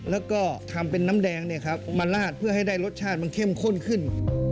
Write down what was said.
แล้วก็ทำเป็นน้ำแดงมาลาดเพื่อให้ได้รสชาติมันเข้มข้นขึ้น